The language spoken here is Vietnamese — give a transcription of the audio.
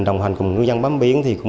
đồng hành cùng ngư dân bám biển